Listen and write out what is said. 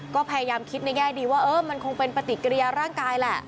ก็พยายามคิดในแง่ดีว่าเออมันคงเป็นปฏิกิริยาร่างกายแหละ